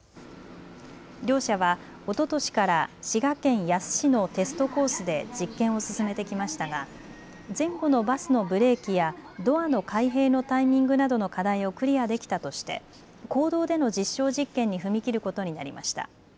両社はおととしから、滋賀県野洲市のテストコースで実験を進めてきましたが、前後のバスのブレーキや、ドアの開閉のタイミングなどの課題をクリアできたとして、公道での実証実験に踏み切ることになりました。